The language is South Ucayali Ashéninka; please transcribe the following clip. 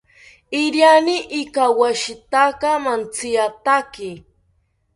Iriani ikawoshitaka mantziataki